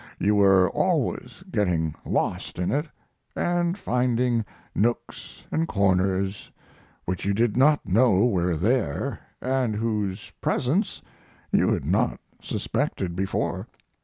You were always getting lost in it, and finding nooks and corners which you did not know were there and whose presence you had not suspected before.